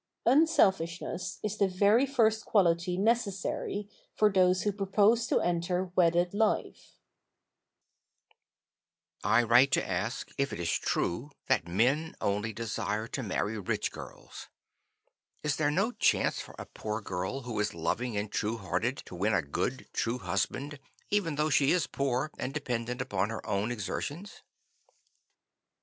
Unselfishness is the very first quality necessary for those who propose to enter wedded life. "I write to ask if it is true that men only desire to marry rich girls? Is there no chance for a poor girl who is loving and true hearted to win a good, true husband even though she is poor and dependent upon her own exertions?"